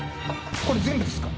これ全部ですか？